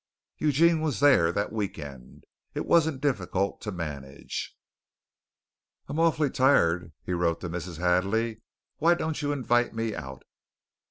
Eugene was there that week end. It wasn't difficult to manage. "I'm awfully tired," he wrote to Mrs. Hadley. "Why don't you invite me out?"